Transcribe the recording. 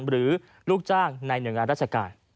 หรือลูกจ้างในหน่วยงานราชการ